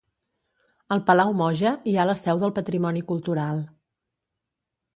Al Palau Moja, hi ha la seu del Patrimoni Cultural.